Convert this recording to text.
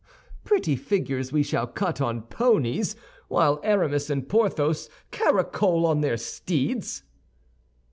"Pretty figures we shall cut on ponies while Aramis and Porthos caracole on their steeds."